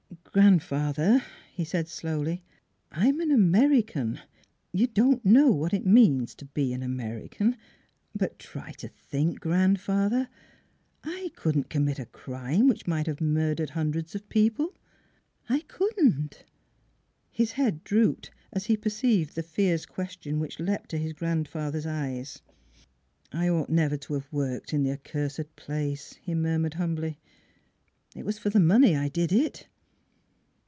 " Grandfather," he said slowly, " I am an American. ... You don't know what it means to be an American. But try to think, grandfather. I couldn't commit a crime which might have mur dered hundreds of people. ... I couldn't !" His head drooped, as he perceived the fierce question which leaped to his grandfather's eyes. " I ought never to have worked in the accursed place," he murmured humbly. " It was for money I did it."